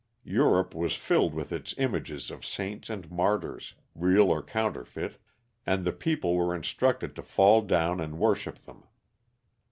Europe was filled with its images of saints and martyrs, real or counterfeit, and the people were instructed to fall down and worship them.